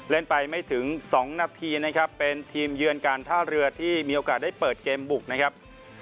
เล่นไปไม่ถึง๒นาทีนะครับเป็นทีมเยือนการท่าเรือที่มีโอกาสได้เปิดเกมบุกนะครับ